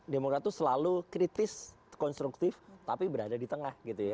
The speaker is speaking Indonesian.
demokrat itu selalu kritis konstruktif tapi berada di tengah gitu ya